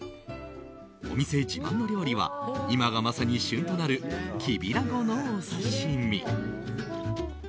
お店自慢の料理は今がまさに旬となるキビナゴのお刺し身。